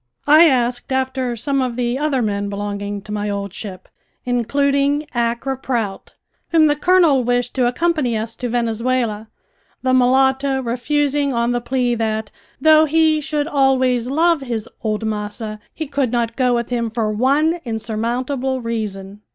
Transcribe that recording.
I asked after some of the other men belonging to my old ship, including Accra Prout, whom the colonel wished to accompany us to Venezuela, the mulatto refusing on the plea that, though he should always love his "old massa," he could not go with him for one insurmountable reason.